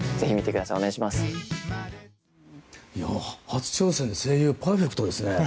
初挑戦で声優パーフェクトですね。